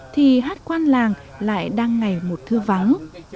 thì hát quan làng lại đang ngày một thư vắng